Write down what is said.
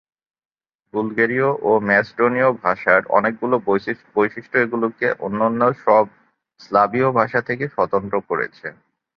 বুলগেরীয় ও ম্যাসডোনীয় ভাষার অনেকগুলি বৈশিষ্ট্য এগুলিকে অন্যান্য সব স্লাভীয় ভাষা থেকে স্বতন্ত্র করেছে।